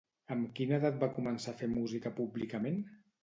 Amb quina edat va començar a fer música públicament?